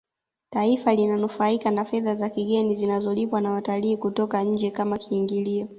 taifa linanufaika na fedha za kigeni zinazolipwa na watalii kutoka nje Kama kiingilio